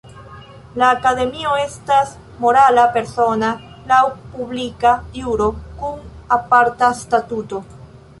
La Akademio estas morala persono laŭ publika juro kun aparta statuto.